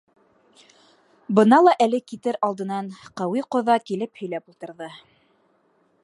Быны ла әле китер алдынан Ҡәүи ҡоҙа килеп һөйләп ултырҙы.